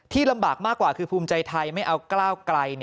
ลำบากมากกว่าคือภูมิใจไทยไม่เอาก้าวไกล